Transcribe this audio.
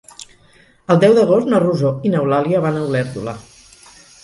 El deu d'agost na Rosó i n'Eulàlia van a Olèrdola.